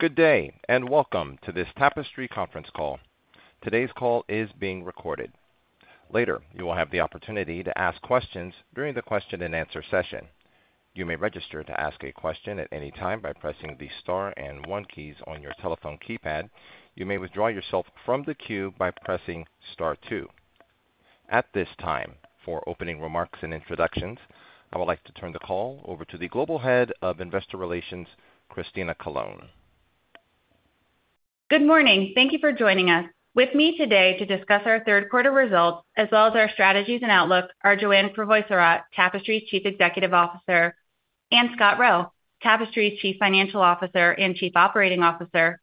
Good day and welcome to this Tapestry Conference Call. Today's call is being recorded. Later, you will have the opportunity to ask questions during the question-and-answer session. You may register to ask a question at any time by pressing the star and one keys on your telephone keypad. You may withdraw yourself from the queue by pressing star two. At this time, for opening remarks and introductions, I would like to turn the call over to the Global Head of Investor Relations, Christina Colone. Good morning. Thank you for joining us. With me today to discuss our Q3 results as well as our strategies and outlook are Joanne Crevoiserat, Tapestry's Chief Executive Officer, and Scott Roe, Tapestry's Chief Financial Officer and Chief Operating Officer.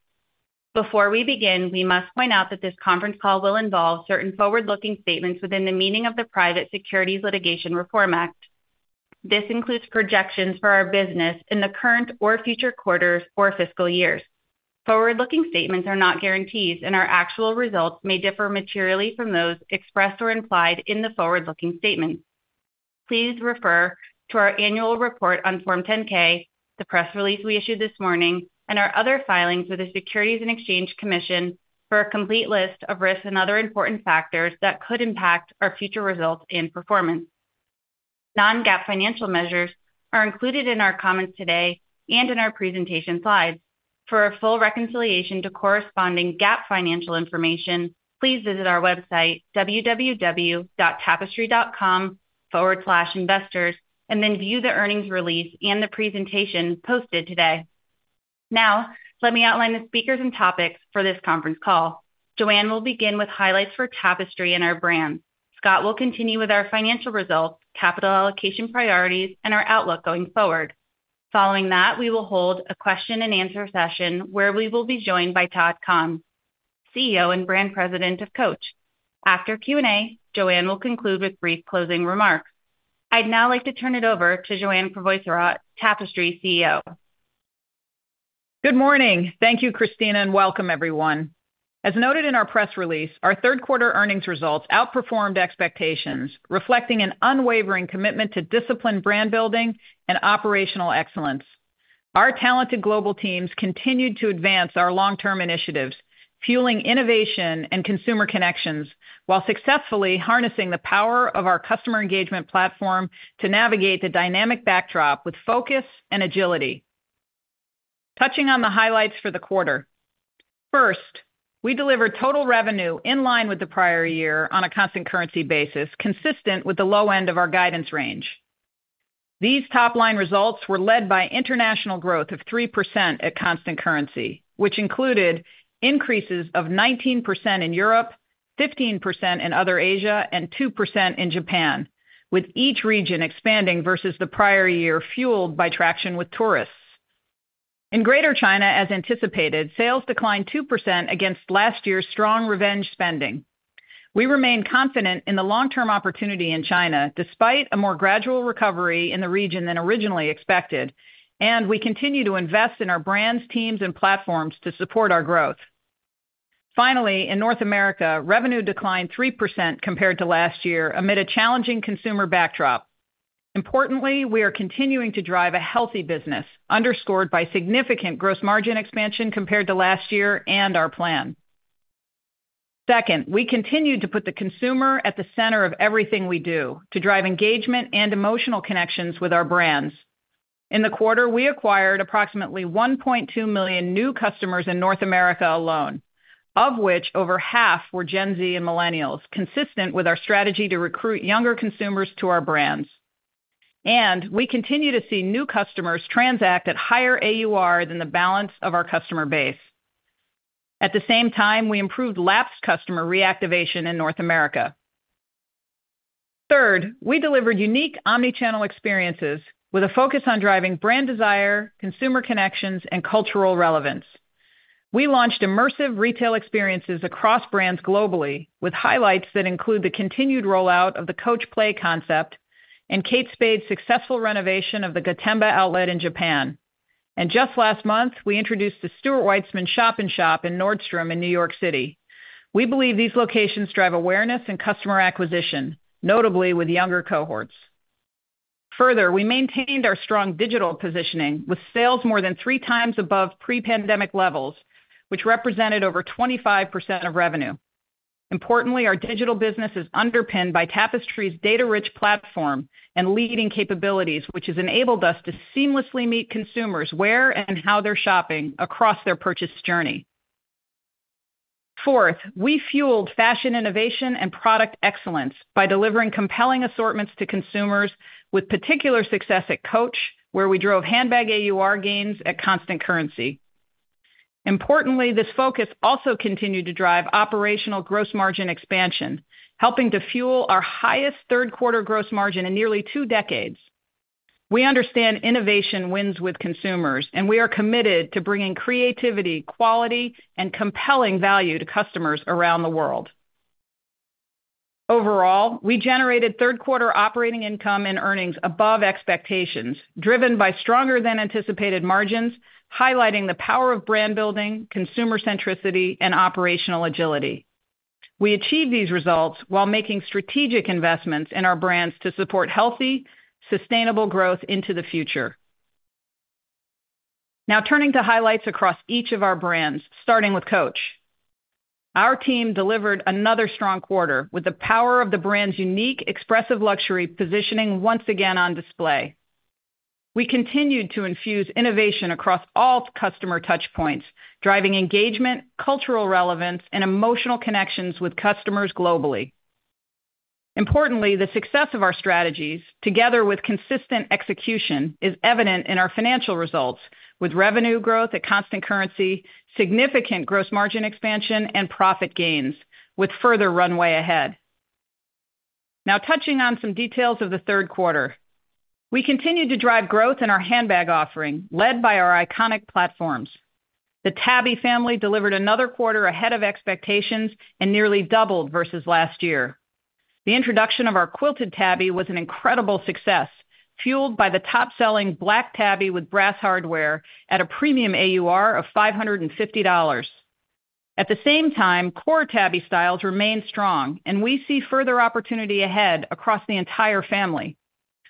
Before we begin, we must point out that this conference call will involve certain forward-looking statements within the meaning of the Private Securities Litigation Reform Act. This includes projections for our business in the current or future quarters or fiscal years. Forward-looking statements are not guarantees, and our actual results may differ materially from those expressed or implied in the forward-looking statements. Please refer to our annual report on Form 10-K, the press release we issued this morning, and our other filings with the Securities and Exchange Commission for a complete list of risks and other important factors that could impact our future results and performance. Non-GAAP financial measures are included in our comments today and in our presentation slides. For a full reconciliation to corresponding GAAP financial information, please visit our website www.tapestry.com/investors and then view the earnings release and the presentation posted today. Now, let me outline the speakers and topics for this conference call. Joanne will begin with highlights for Tapestry and our brand. Scott will continue with our financial results, capital allocation priorities, and our outlook going forward. Following that, we will hold a question-and-answer session where we will be joined by Todd Kahn, CEO and Brand President of Coach. After Q&A, Joanne will conclude with brief closing remarks. I'd now like to turn it over to Joanne Crevoiserat, Tapestry CEO. Good morning. Thank you, Christina, and welcome, everyone. As noted in our press release, our third-quarter earnings results outperformed expectations, reflecting an unwavering commitment to disciplined brand building and operational excellence. Our talented global teams continued to advance our long-term initiatives, fueling innovation and consumer connections while successfully harnessing the power of our customer engagement platform to navigate the dynamic backdrop with focus and agility. Touching on the highlights for the quarter. First, we delivered total revenue in line with the prior year on a constant currency basis, consistent with the low end of our guidance range. These top-line results were led by international growth of 3% at constant currency, which included increases of 19% in Europe, 15% in Other Asia, and 2% in Japan, with each region expanding versus the prior year fueled by traction with tourists. In Greater China, as anticipated, sales declined 2% against last year's strong revenge spending. We remain confident in the long-term opportunity in China despite a more gradual recovery in the region than originally expected, and we continue to invest in our brands, teams, and platforms to support our growth. Finally, in North America, revenue declined 3% compared to last year amid a challenging consumer backdrop. Importantly, we are continuing to drive a healthy business, underscored by significant gross margin expansion compared to last year and our plan. Second, we continue to put the consumer at the center of everything we do to drive engagement and emotional connections with our brands. In the quarter, we acquired approximately 1.2 million new customers in North America alone, of which over half were Gen Z and millennials, consistent with our strategy to recruit younger consumers to our brands. We continue to see new customers transact at higher AUR than the balance of our customer base. At the same time, we improved lapsed customer reactivation in North America. Third, we delivered unique omnichannel experiences with a focus on driving brand desire, consumer connections, and cultural relevance. We launched immersive retail experiences across brands globally with highlights that include the continued rollout of the Coach Play concept and Kate Spade's successful renovation of the Gotemba outlet in Japan. Just last month, we introduced the Stuart Weitzman Shop-in-Shop in Nordstrom in New York City. We believe these locations drive awareness and customer acquisition, notably with younger cohorts. Further, we maintained our strong digital positioning with sales more than 3x above pre-pandemic levels, which represented over 25% of revenue. Importantly, our digital business is underpinned by Tapestry's data-rich platform and leading capabilities, which has enabled us to seamlessly meet consumers where and how they're shopping across their purchase journey. Fourth, we fueled fashion innovation and product excellence by delivering compelling assortments to consumers with particular success at Coach, where we drove handbag AUR gains at constant currency. Importantly, this focus also continued to drive operational gross margin expansion, helping to fuel our highest third-quarter gross margin in nearly two decades. We understand innovation wins with consumers, and we are committed to bringing creativity, quality, and compelling value to customers around the world. Overall, we generated third-quarter operating income and earnings above expectations, driven by stronger-than-anticipated margins, highlighting the power of brand building, consumer centricity, and operational agility. We achieved these results while making strategic investments in our brands to support healthy, sustainable growth into the future. Now, turning to highlights across each of our brands, starting with Coach. Our team delivered another strong quarter with the power of the brand's unique expressive luxury positioning once again on display. We continued to infuse innovation across all customer touchpoints, driving engagement, cultural relevance, and emotional connections with customers globally. Importantly, the success of our strategies, together with consistent execution, is evident in our financial results, with revenue growth at constant currency, significant gross margin expansion, and profit gains with further runway ahead. Now, touching on some details of the Q3. We continue to drive growth in our handbag offering, led by our iconic platforms. The Tabby family delivered another quarter ahead of expectations and nearly doubled versus last year. The introduction of our Quilted Tabby was an incredible success, fueled by the top-selling black Tabby with brass hardware at a premium AUR of $550. At the same time, core Tabby styles remain strong, and we see further opportunity ahead across the entire family.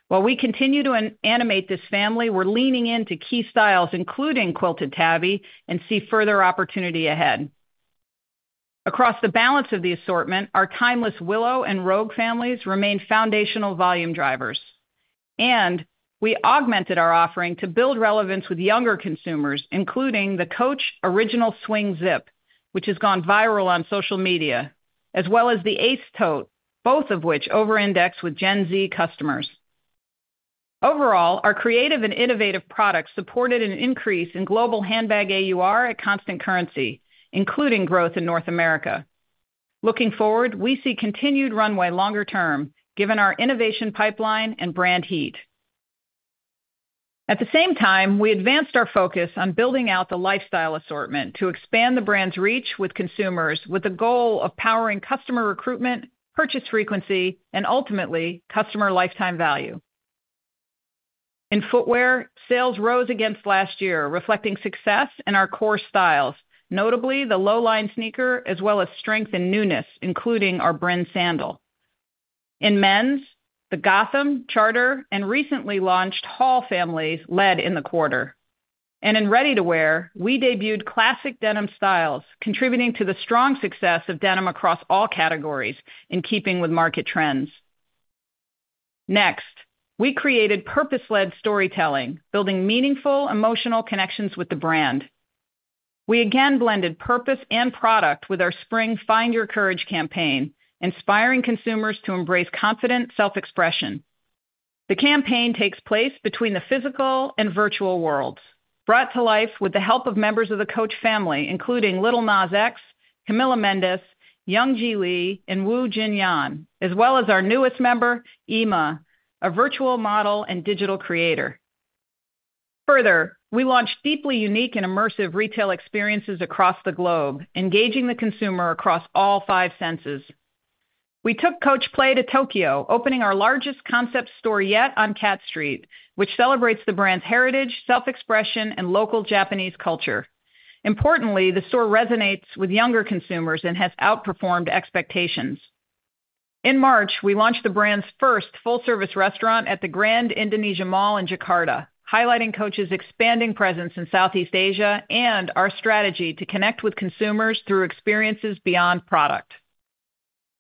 While we continue to animate this family, we're leaning into key styles, including Quilted Tabby, and see further opportunity ahead. Across the balance of the assortment, our timeless Willow and Rogue families remain foundational volume drivers. And we augmented our offering to build relevance with younger consumers, including the Coach Originals Swing Zip, which has gone viral on social media, as well as the Ace Tote, both of which over-index with Gen Z customers. Overall, our creative and innovative products supported an increase in global handbag AUR at Constant Currency, including growth in North America. Looking forward, we see continued runway longer-term given our innovation pipeline and brand heat. At the same time, we advanced our focus on building out the lifestyle assortment to expand the brand's reach with consumers with the goal of powering customer recruitment, purchase frequency, and ultimately, customer lifetime value. In footwear, sales rose against last year, reflecting success in our core styles, notably the Lowline sneaker as well as strength and newness, including our Brynn Sandal. In men's, the Gotham, Charter, and recently launched Hall families led in the quarter. In ready-to-wear, we debuted classic denim styles, contributing to the strong success of denim across all categories in keeping with market trends. Next, we created purpose-led storytelling, building meaningful emotional connections with the brand. We again blended purpose and product with our spring Find Your Courage campaign, inspiring consumers to embrace confident self-expression. The campaign takes place between the physical and virtual worlds, brought to life with the help of members of the Coach family, including Lil Nas X, Camila Mendes, Youngji Lee, and Wu Jinyan, as well as our newest member, Imma, a virtual model and digital creator. Further, we launched deeply unique and immersive retail experiences across the globe, engaging the consumer across all five senses. We took Coach Play to Tokyo, opening our largest concept store yet on Cat Street, which celebrates the brand's heritage, self-expression, and local Japanese culture. Importantly, the store resonates with younger consumers and has outperformed expectations. In March, we launched the brand's first full-service restaurant at the Grand Indonesia Mall in Jakarta, highlighting Coach's expanding presence in Southeast Asia and our strategy to connect with consumers through experiences beyond product.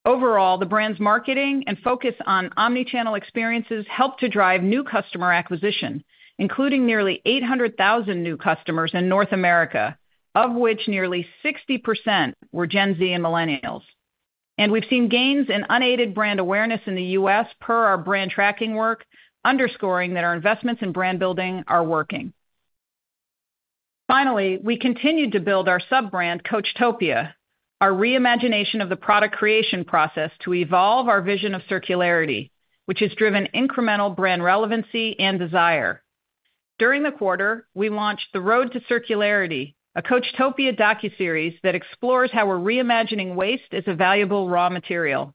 Overall, the brand's marketing and focus on omnichannel experiences helped to drive new customer acquisition, including nearly 800,000 new customers in North America, of which nearly 60% were Gen Z and millennials. We've seen gains in unaided brand awareness in the U.S. per our brand tracking work, underscoring that our investments in brand building are working. Finally, we continued to build our sub-brand, Coachtopia, our reimagination of the product creation process to evolve our vision of circularity, which has driven incremental brand relevancy and desire. During the quarter, we launched The Road to Circularity, a Coachtopia docuseries that explores how we're reimagining waste as a valuable raw material.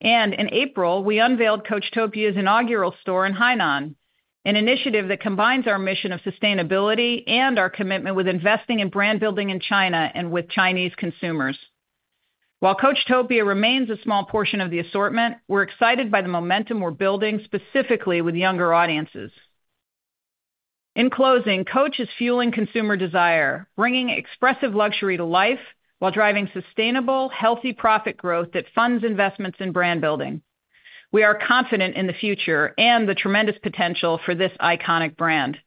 In April, we unveiled Coachtopia's inaugural store in Hainan, an initiative that combines our mission of sustainability and our commitment with investing in brand building in China and with Chinese consumers. While Coachtopia remains a small portion of the assortment, we're excited by the momentum we're building specifically with younger audiences. In closing, Coach is fueling consumer desire, bringing expressive luxury to life while driving sustainable, healthy profit growth that funds investments in brand building. We are confident in the future and the tremendous potential for this iconic brand.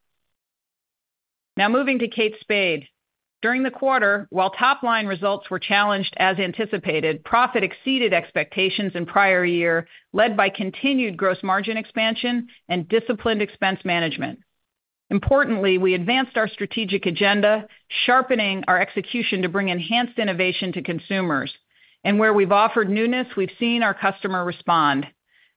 Now, moving to Kate Spade. During the quarter, while top-line results were challenged as anticipated, profit exceeded expectations in prior year, led by continued gross margin expansion and disciplined expense management. Importantly, we advanced our strategic agenda, sharpening our execution to bring enhanced innovation to consumers. And where we've offered newness, we've seen our customer respond.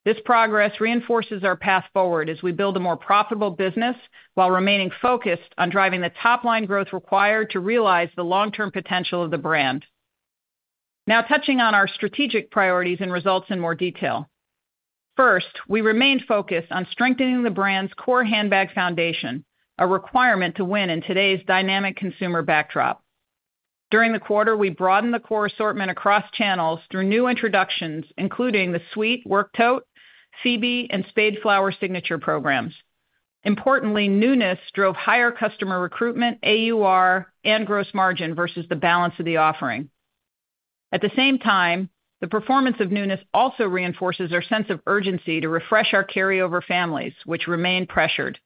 This progress reinforces our path forward as we build a more profitable business while remaining focused on driving the top-line growth required to realize the long-term potential of the brand. Now, touching on our strategic priorities and results in more detail. First, we remained focused on strengthening the brand's core handbag foundation, a requirement to win in today's dynamic consumer backdrop. During the quarter, we broadened the core assortment across channels through new introductions, including the Suite Work Tote, Phoebe, and Spade Flower signature programs. Importantly, newness drove higher customer recruitment, AUR, and gross margin versus the balance of the offering. At the same time, the performance of newness also reinforces our sense of urgency to refresh our carryover families, which remain pressured.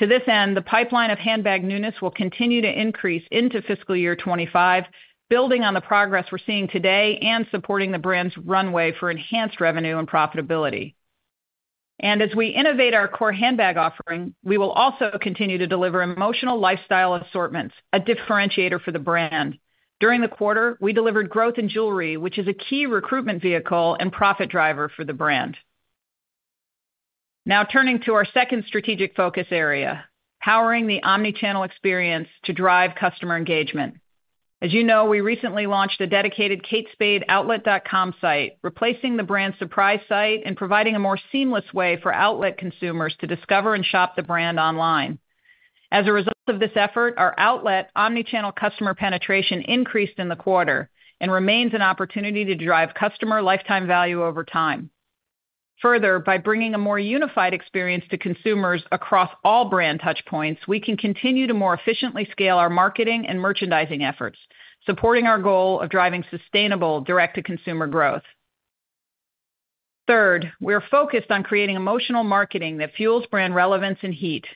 To this end, the pipeline of handbag newness will continue to increase into fiscal year 2025, building on the progress we're seeing today and supporting the brand's runway for enhanced revenue and profitability. And as we innovate our core handbag offering, we will also continue to deliver emotional lifestyle assortments, a differentiator for the brand. During the quarter, we delivered growth in jewelry, which is a key recruitment vehicle and profit driver for the brand. Now, turning to our second strategic focus area, powering the omnichannel experience to drive customer engagement. As you know, we recently launched a dedicated KateSpadeOutlet.com site, replacing the brand's Surprise site and providing a more seamless way for outlet consumers to discover and shop the brand online. As a result of this effort, our outlet omnichannel customer penetration increased in the quarter and remains an opportunity to drive customer lifetime value over time. Further, by bringing a more unified experience to consumers across all brand touchpoints, we can continue to more efficiently scale our marketing and merchandising efforts, supporting our goal of driving sustainable direct-to-consumer growth. Third, we're focused on creating emotional marketing that fuels brand relevance and heat.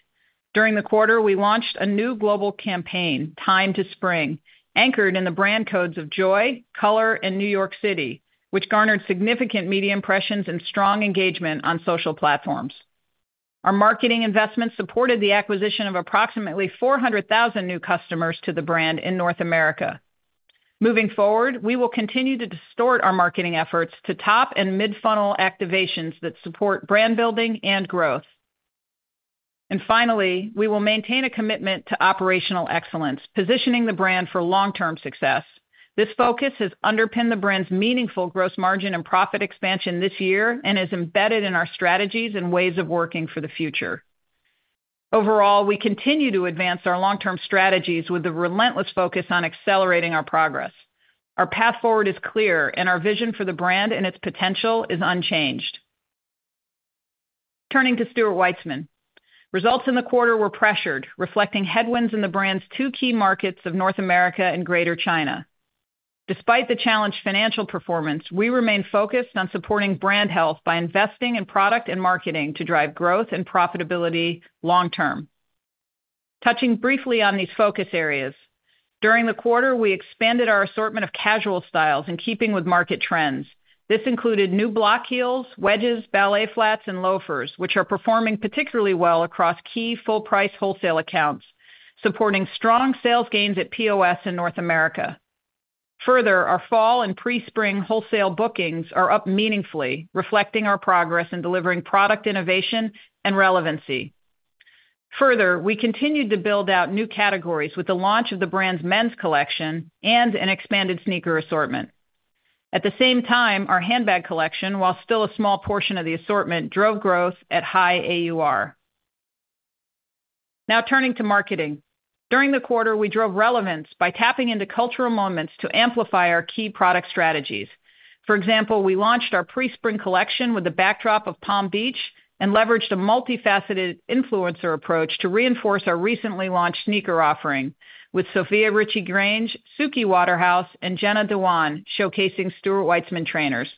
During the quarter, we launched a new global campaign, Time to Spring, anchored in the brand codes of joy, color, and New York City, which garnered significant media impressions and strong engagement on social platforms. Our marketing investments supported the acquisition of approximately 400,000 new customers to the brand in North America. Moving forward, we will continue to distort our marketing efforts to top and mid-funnel activations that support brand building and growth. And finally, we will maintain a commitment to operational excellence, positioning the brand for long-term success. This focus has underpinned the brand's meaningful gross margin and profit expansion this year and is embedded in our strategies and ways of working for the future. Overall, we continue to advance our long-term strategies with the relentless focus on accelerating our progress. Our path forward is clear, and our vision for the brand and its potential is unchanged. Turning to Stuart Weitzman. Results in the quarter were pressured, reflecting headwinds in the brand's two key markets of North America and Greater China. Despite the challenged financial performance, we remain focused on supporting brand health by investing in product and marketing to drive growth and profitability long-term. Touching briefly on these focus areas. During the quarter, we expanded our assortment of casual styles in keeping with market trends. This included new block heels, wedges, ballet flats, and loafers, which are performing particularly well across key full-price wholesale accounts, supporting strong sales gains at POS in North America. Further, our fall and pre-spring wholesale bookings are up meaningfully, reflecting our progress in delivering product innovation and relevancy. Further, we continued to build out new categories with the launch of the brand's men's collection and an expanded sneaker assortment. At the same time, our handbag collection, while still a small portion of the assortment, drove growth at high AUR. Now, turning to marketing. During the quarter, we drove relevance by tapping into cultural moments to amplify our key product strategies. For example, we launched our pre-spring collection with the backdrop of Palm Beach and leveraged a multifaceted influencer approach to reinforce our recently launched sneaker offering, with Sofia Richie Grainge, Suki Waterhouse, and Jenna Dewan showcasing Stuart Weitzman trainers.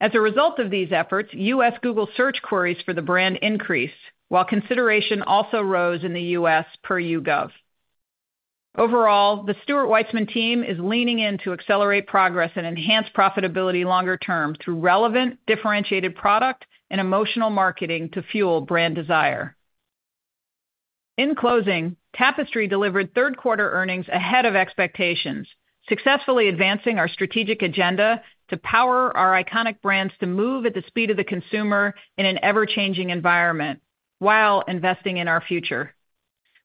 As a result of these efforts, US Google search queries for the brand increased, while consideration also rose in the US per YouGov. Overall, the Stuart Weitzman team is leaning in to accelerate progress and enhance profitability longer-term through relevant, differentiated product and emotional marketing to fuel brand desire. In closing, Tapestry delivered third-quarter earnings ahead of expectations, successfully advancing our strategic agenda to power our iconic brands to move at the speed of the consumer in an ever-changing environment while investing in our future.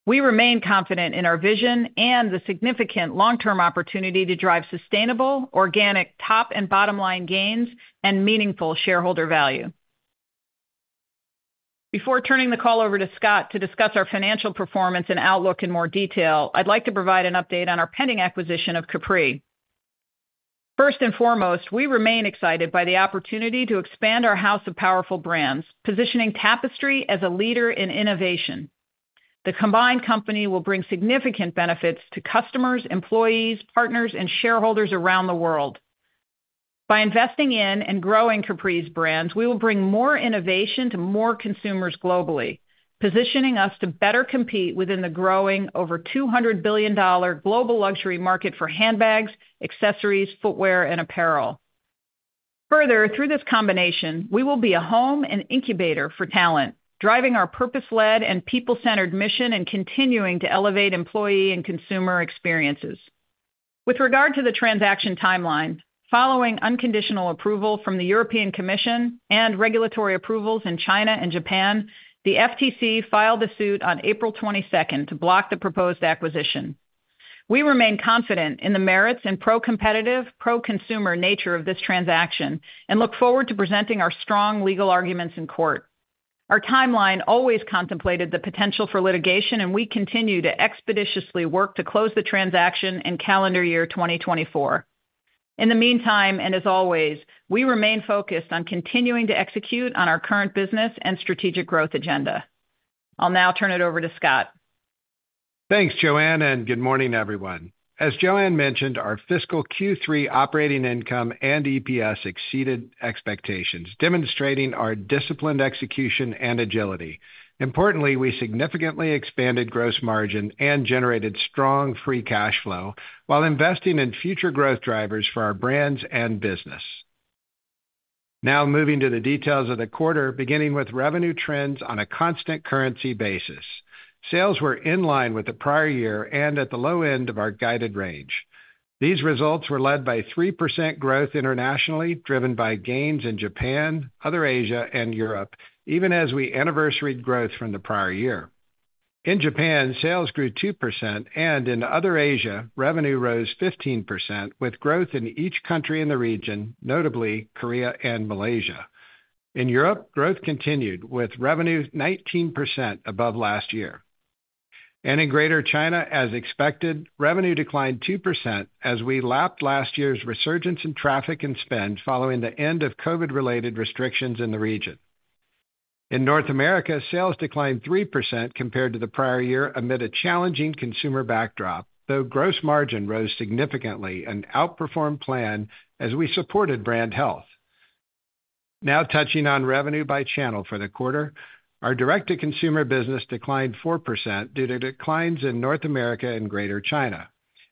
We remain confident in our vision and the significant long-term opportunity to drive sustainable, organic top and bottom-line gains and meaningful shareholder value. Before turning the call over to Scott to discuss our financial performance and outlook in more detail, I'd like to provide an update on our pending acquisition of Capri. First and foremost, we remain excited by the opportunity to expand our house of powerful brands, positioning Tapestry as a leader in innovation. The combined company will bring significant benefits to customers, employees, partners, and shareholders around the world. By investing in and growing Capri's brands, we will bring more innovation to more consumers globally, positioning us to better compete within the growing over $200 billion global luxury market for handbags, accessories, footwear, and apparel. Further, through this combination, we will be a home and incubator for talent, driving our purpose-led and people-centered mission and continuing to elevate employee and consumer experiences. With regard to the transaction timeline, following unconditional approval from the European Commission and regulatory approvals in China and Japan, the FTC filed a suit on April 22nd to block the proposed acquisition. We remain confident in the merits and pro-competitive, pro-consumer nature of this transaction and look forward to presenting our strong legal arguments in court. Our timeline always contemplated the potential for litigation, and we continue to expeditiously work to close the transaction in calendar year 2024. In the meantime, and as always, we remain focused on continuing to execute on our current business and strategic growth agenda. I'll now turn it over to Scott. Thanks, Joanne, and good morning, everyone. As Joanne mentioned, our fiscal Q3 operating income and EPS exceeded expectations, demonstrating our disciplined execution and agility. Importantly, we significantly expanded gross margin and generated strong free cash flow while investing in future growth drivers for our brands and business. Now, moving to the details of the quarter, beginning with revenue trends on a constant currency basis. Sales were in line with the prior year and at the low end of our guided range. These results were led by 3% growth internationally, driven by gains in Japan, Other Asia, and Europe, even as we anniversaryed growth from the prior year. In Japan, sales grew 2%, and in Other Asia, revenue rose 15% with growth in each country in the region, notably Korea and Malaysia. In Europe, growth continued, with revenue 19% above last year. In Greater China, as expected, revenue declined 2% as we lapped last year's resurgence in traffic and spend following the end of COVID-related restrictions in the region. In North America, sales declined 3% compared to the prior year amid a challenging consumer backdrop, though gross margin rose significantly and outperformed plan as we supported brand health. Now, touching on revenue by channel for the quarter, our direct-to-consumer business declined 4% due to declines in North America and Greater China.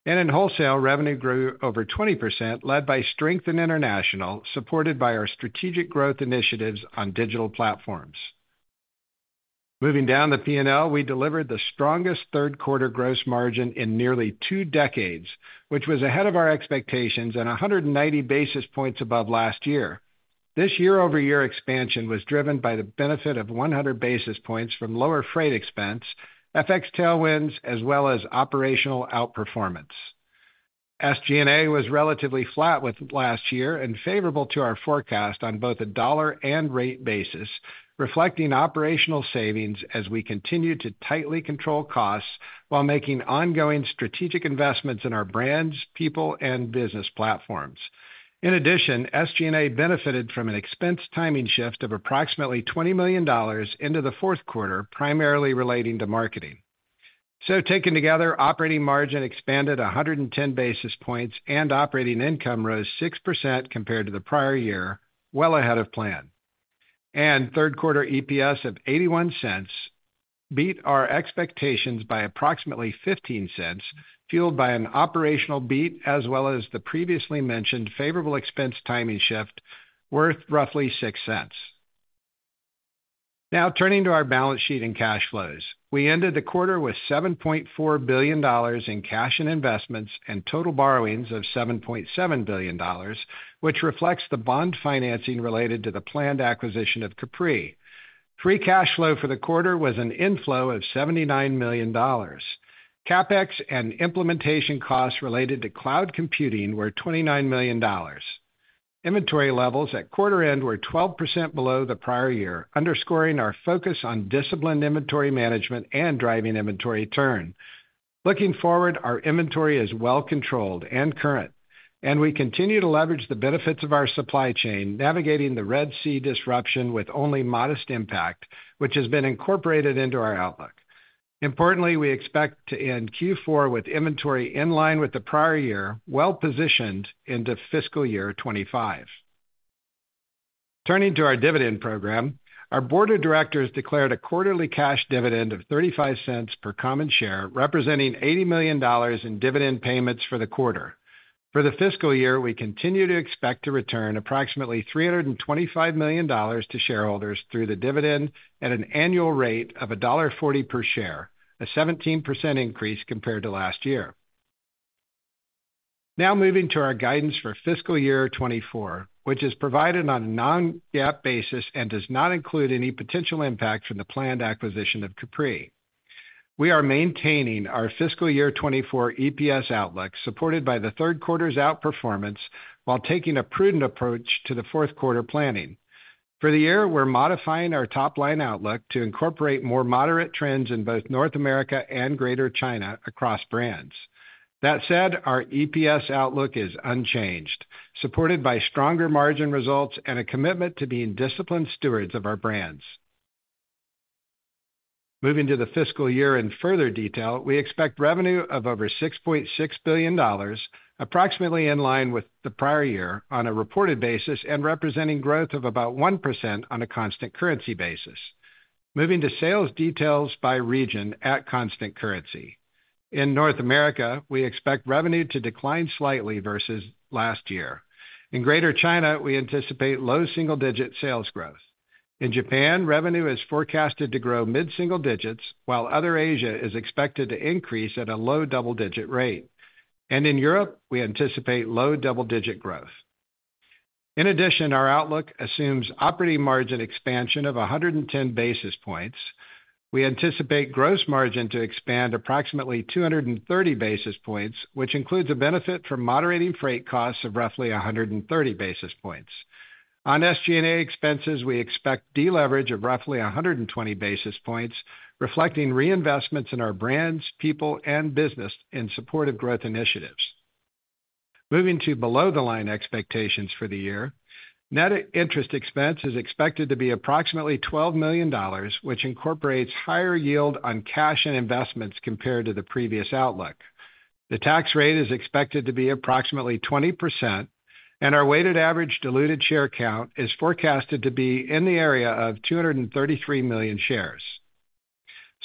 In wholesale, revenue grew over 20%, led by strength in international, supported by our strategic growth initiatives on digital platforms. Moving down the P&L, we delivered the strongest third-quarter gross margin in nearly two decades, which was ahead of our expectations and 190 basis points above last year. This year-over-year expansion was driven by the benefit of 100 basis points from lower freight expense, FX tailwinds, as well as operational outperformance. SG&A was relatively flat with last year and favorable to our forecast on both a dollar and rate basis, reflecting operational savings as we continue to tightly control costs while making ongoing strategic investments in our brands, people, and business platforms. In addition, SG&A benefited from an expense timing shift of approximately $20 million into the Q4, primarily relating to marketing. So, taken together, operating margin expanded 110 basis points and operating income rose 6% compared to the prior year, well ahead of plan. Third-quarter EPS of $0.81 beat our expectations by approximately $0.15, fueled by an operational beat as well as the previously mentioned favorable expense timing shift, worth roughly $0.06. Now, turning to our balance sheet and cash flows. We ended the quarter with $7.4 billion in cash and investments and total borrowings of $7.7 billion, which reflects the bond financing related to the planned acquisition of Capri. Free cash flow for the quarter was an inflow of $79 million. CapEx and implementation costs related to cloud computing were $29 million. Inventory levels at quarter end were 12% below the prior year, underscoring our focus on disciplined inventory management and driving inventory turn. Looking forward, our inventory is well controlled and current, and we continue to leverage the benefits of our supply chain, navigating the Red Sea disruption with only modest impact, which has been incorporated into our outlook. Importantly, we expect to end Q4 with inventory in line with the prior year, well positioned into fiscal year 2025. Turning to our dividend program, our board of directors declared a quarterly cash dividend of $0.35 per common share, representing $80 million in dividend payments for the quarter. For the fiscal year, we continue to expect to return approximately $325 million to shareholders through the dividend at an annual rate of $1.40 per share, a 17% increase compared to last year. Now, moving to our guidance for fiscal year 2024, which is provided on a non-GAAP basis and does not include any potential impact from the planned acquisition of Capri. We are maintaining our fiscal year 2024 EPS outlook, supported by the Q3's outperformance, while taking a prudent approach to the Q4 planning. For the year, we're modifying our top-line outlook to incorporate more moderate trends in both North America and Greater China across brands. That said, our EPS outlook is unchanged, supported by stronger margin results and a commitment to being disciplined stewards of our brands. Moving to the fiscal year in further detail, we expect revenue of over $6.6 billion, approximately in line with the prior year on a reported basis and representing growth of about 1% on a constant currency basis. Moving to sales details by region at constant currency. In North America, we expect revenue to decline slightly versus last year. In Greater China, we anticipate low single-digit sales growth. In Japan, revenue is forecasted to grow mid-single digits, while other Asia is expected to increase at a low double-digit rate. In Europe, we anticipate low double-digit growth. In addition, our outlook assumes operating margin expansion of 110 basis points. We anticipate gross margin to expand approximately 230 basis points, which includes a benefit from moderating freight costs of roughly 130 basis points. On SG&A expenses, we expect deleverage of roughly 120 basis points, reflecting reinvestments in our brands, people, and business in supportive growth initiatives. Moving to below-the-line expectations for the year. Net interest expense is expected to be approximately $12 million, which incorporates higher yield on cash and investments compared to the previous outlook. The tax rate is expected to be approximately 20%, and our weighted average diluted share count is forecasted to be in the area of 233 million shares.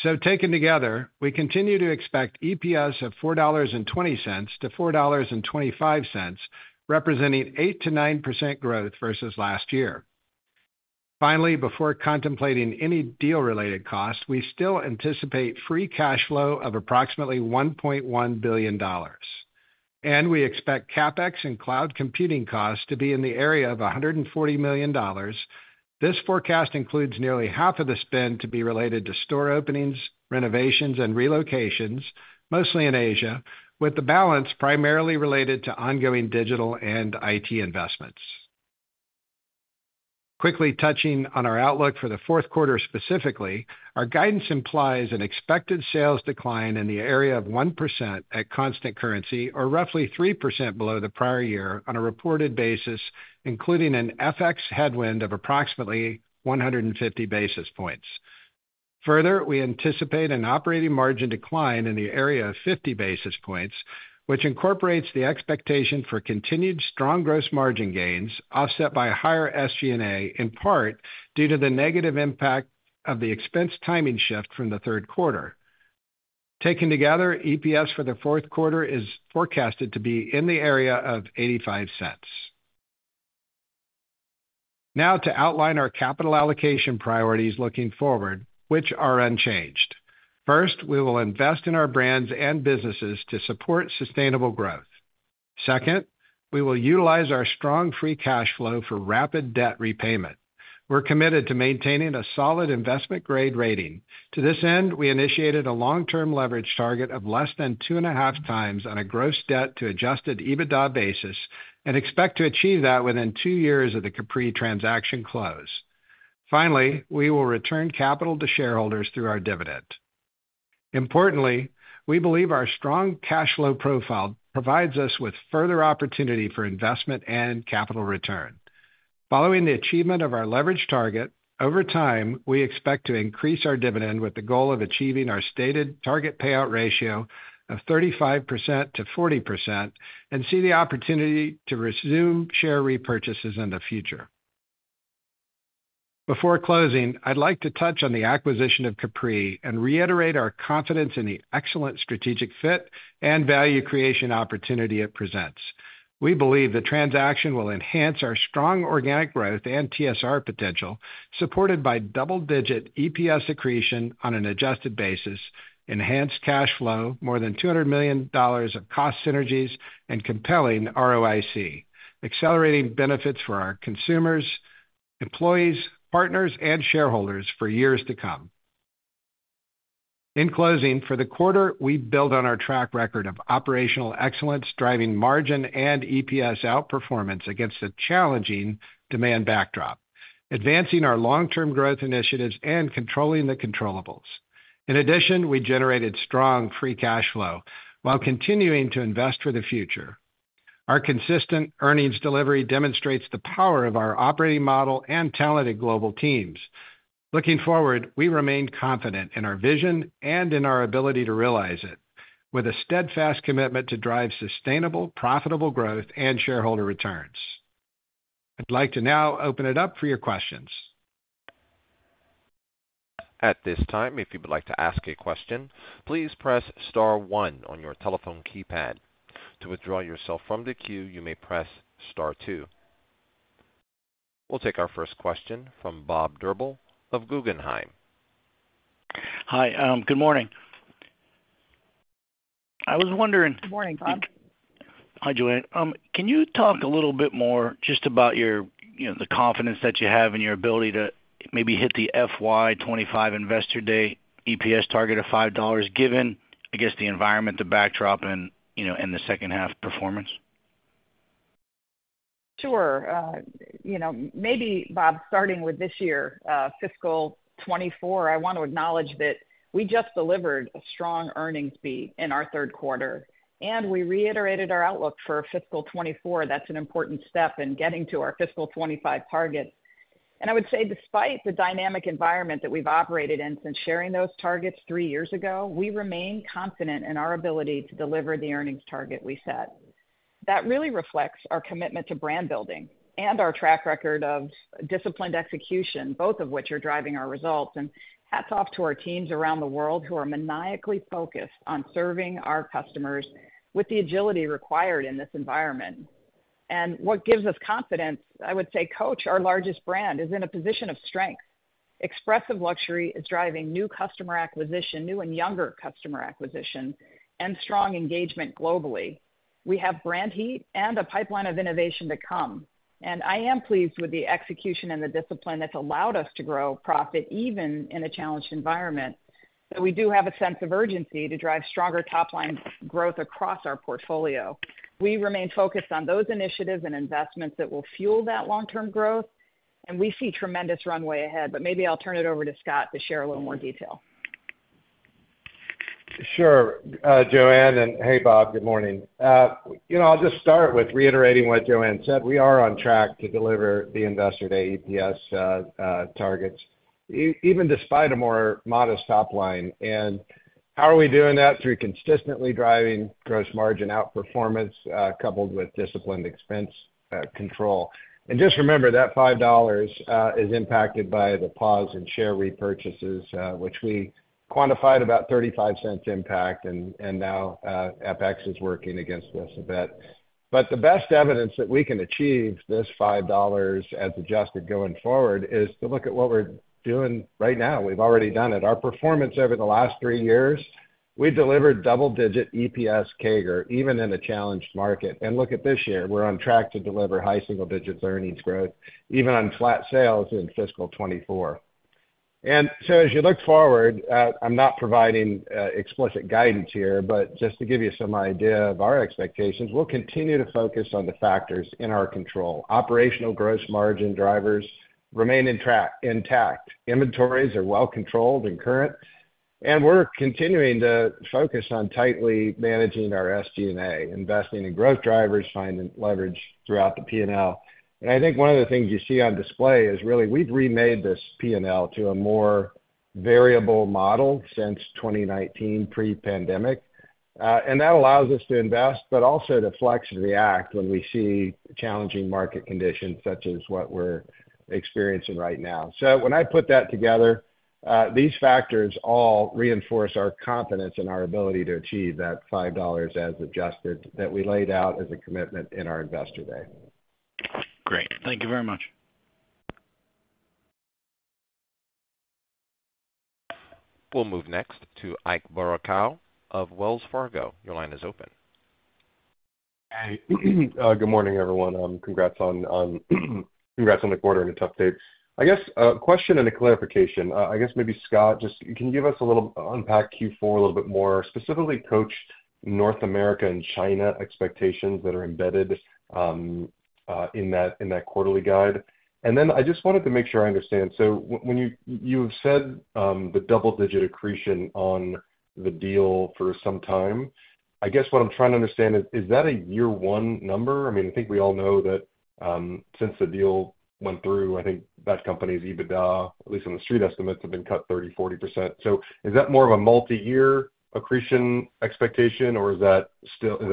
So, taken together, we continue to expect EPS of $4.20-$4.25, representing 8%-9% growth versus last year. Finally, before contemplating any deal-related costs, we still anticipate free cash flow of approximately $1.1 billion. We expect CapEx and cloud computing costs to be in the area of $140 million. This forecast includes nearly half of the spend to be related to store openings, renovations, and relocations, mostly in Asia, with the balance primarily related to ongoing digital and IT investments. Quickly touching on our outlook for the Q4 specifically, our guidance implies an expected sales decline in the area of 1% at constant currency, or roughly 3% below the prior year on a reported basis, including an FX headwind of approximately 150 basis points. Further, we anticipate an operating margin decline in the area of 50 basis points, which incorporates the expectation for continued strong gross margin gains offset by higher SG&A, in part due to the negative impact of the expense timing shift from the Q3. Taken together, EPS for the Q4 is forecasted to be in the area of $0.85. Now, to outline our capital allocation priorities looking forward, which are unchanged. First, we will invest in our brands and businesses to support sustainable growth. Second, we will utilize our strong free cash flow for rapid debt repayment. We're committed to maintaining a solid investment-grade rating. To this end, we initiated a long-term leverage target of less than 2.5 times on a gross debt to adjusted EBITDA basis and expect to achieve that within two years of the Capri transaction close. Finally, we will return capital to shareholders through our dividend. Importantly, we believe our strong cash flow profile provides us with further opportunity for investment and capital return. Following the achievement of our leverage target, over time, we expect to increase our dividend with the goal of achieving our stated target payout ratio of 35%-40% and see the opportunity to resume share repurchases in the future. Before closing, I'd like to touch on the acquisition of Capri and reiterate our confidence in the excellent strategic fit and value creation opportunity it presents. We believe the transaction will enhance our strong organic growth and TSR potential, supported by double-digit EPS accretion on an adjusted basis, enhanced cash flow, more than $200 million of cost synergies, and compelling ROIC, accelerating benefits for our consumers, employees, partners, and shareholders for years to come. In closing, for the quarter, we build on our track record of operational excellence, driving margin and EPS outperformance against a challenging demand backdrop, advancing our long-term growth initiatives, and controlling the controllables. In addition, we generated strong free cash flow while continuing to invest for the future. Our consistent earnings delivery demonstrates the power of our operating model and talented global teams. Looking forward, we remain confident in our vision and in our ability to realize it, with a steadfast commitment to drive sustainable, profitable growth and shareholder returns. I'd like to now open it up for your questions. At this time, if you would like to ask a question, please press star one on your telephone keypad. To withdraw yourself from the queue, you may press star two. We'll take our first question from Bob Drbul of Guggenheim. Hi. Good morning. I was wondering. Good morning, Bob. Hi, Joanne. Can you talk a little bit more just about the confidence that you have in your ability to maybe hit the FY25 Investor Day EPS target of $5, given, I guess, the environment, the backdrop, and the second-half performance? Sure. Maybe, Bob, starting with this year, fiscal 2024, I want to acknowledge that we just delivered a strong earnings beat in our Q3, and we reiterated our outlook for fiscal 2024. That's an important step in getting to our fiscal 2025 target. I would say, despite the dynamic environment that we've operated in since sharing those targets three years ago, we remain confident in our ability to deliver the earnings target we set. That really reflects our commitment to brand building and our track record of disciplined execution, both of which are driving our results. Hats off to our teams around the world who are maniacally focused on serving our customers with the agility required in this environment. What gives us confidence, I would say, Coach, our largest brand is in a position of strength. Expressive luxury is driving new customer acquisition, new and younger customer acquisition, and strong engagement globally. We have brand heat and a pipeline of innovation to come. I am pleased with the execution and the discipline that's allowed us to grow profit even in a challenged environment. We do have a sense of urgency to drive stronger top-line growth across our portfolio. We remain focused on those initiatives and investments that will fuel that long-term growth, and we see tremendous runway ahead. Maybe I'll turn it over to Scott to share a little more detail. Sure, Joanne. Hey, Bob. Good morning. I'll just start with reiterating what Joanne said. We are on track to deliver the investor day EPS targets, even despite a more modest top line. And how are we doing that? Through consistently driving gross margin outperformance coupled with disciplined expense control. And just remember, that $5 is impacted by the pause in share repurchases, which we quantified about $0.35 impact, and now EPS is working against this a bit. But the best evidence that we can achieve this $5 as adjusted going forward is to look at what we're doing right now. We've already done it. Our performance over the last three years, we delivered double-digit EPS CAGR even in a challenged market. And look at this year. We're on track to deliver high single-digit earnings growth even on flat sales in fiscal 2024. And so, as you look forward, I'm not providing explicit guidance here, but just to give you some idea of our expectations, we'll continue to focus on the factors in our control. Operational gross margin drivers remain intact. Inventories are well controlled and current. And we're continuing to focus on tightly managing our SG&A, investing in growth drivers, finding leverage throughout the P&L. And I think one of the things you see on display is really we've remade this P&L to a more variable model since 2019, pre-pandemic. And that allows us to invest but also to flex and react when we see challenging market conditions such as what we're experiencing right now. So when I put that together, these factors all reinforce our confidence in our ability to achieve that $5 as adjusted that we laid out as a commitment in our investor day. Great. Thank you very much. We'll move next to Ike Boruchow of Wells Fargo. Your line is open. Hey. Good morning, everyone. Congrats on the quarter and a tough date. I guess a question and a clarification. I guess maybe Scott, can you give us a little unpack Q4 a little bit more, specifically Coach North America and China expectations that are embedded in that quarterly guide? And then I just wanted to make sure I understand. So you have said the double-digit accretion on the deal for some time. I guess what I'm trying to understand is, is that a year-one number? I mean, I think we all know that since the deal went through, I think that company's EBITDA, at least on the street estimates, have been cut 30%-40%. So is that more of a multi-year accretion expectation, or is that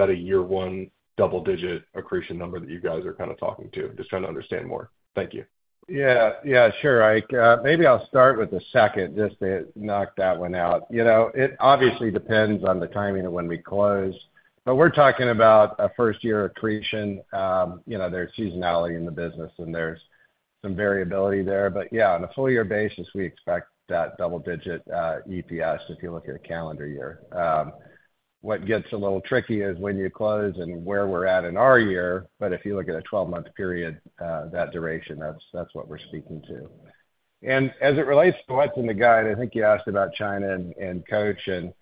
a year-one double-digit accretion number that you guys are kind of talking to? Just trying to understand more. Thank you. Yeah. Yeah. Sure, Ike. Maybe I'll start with the second just to knock that one out. It obviously depends on the timing of when we close, but we're talking about a first-year accretion. There's seasonality in the business, and there's some variability there. But yeah, on a full-year basis, we expect that double-digit EPS if you look at a calendar year. What gets a little tricky is when you close and where we're at in our year. But if you look at a 12-month period, that duration, that's what we're speaking to. And as it relates to what's in the guide, I think you asked about China and Coach. And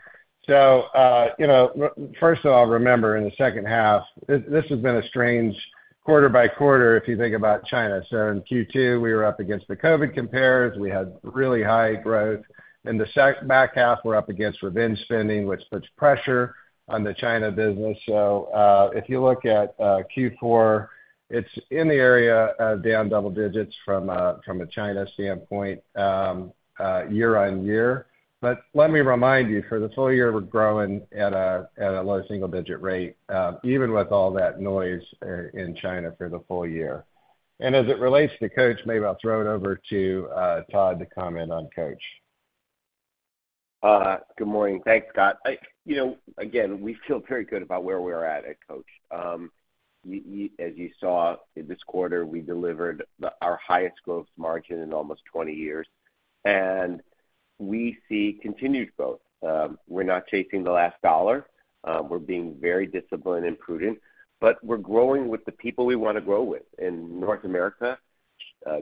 so first of all, remember, in the second half, this has been a strange quarter by quarter if you think about China. So in Q2, we were up against the COVID compares. We had really high growth. In the back half, we're up against revenge spending, which puts pressure on the China business. So if you look at Q4, it's in the area of down double digits from a China standpoint year-on-year. But let me remind you, for the full year, we're growing at a low single-digit rate even with all that noise in China for the full year. And as it relates to Coach, maybe I'll throw it over to Todd to comment on Coach. Good morning. Thanks, Scott. Again, we feel very good about where we're at at Coach. As you saw in this quarter, we delivered our highest growth margin in almost 20 years, and we see continued growth. We're not chasing the last dollar. We're being very disciplined and prudent, but we're growing with the people we want to grow with. In North America,